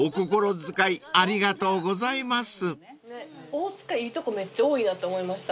大塚いいとこめっちゃ多いなって思いました。